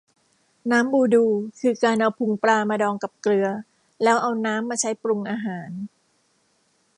น้ำบูดู คือการเอาพุงปลามาดองกับเกลือ แล้วเอาน้ำมาใช้ปรุงอาหาร